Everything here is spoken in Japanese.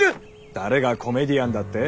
誰がコメディアンだってェ？